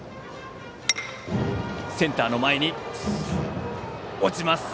センター前に落ちます。